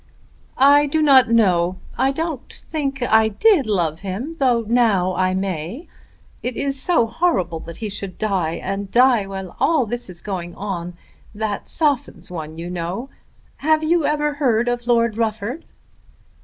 "I do not know. I don't think I did love him, though now I may. It is so horrible that he should die, and die while all this is going on. That softens one you know. Have you ever heard of Lord Rufford?"